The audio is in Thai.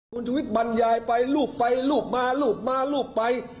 คุณชูวิทร์บรรยายไปลูบไปลูบมาลูบมาลูบไป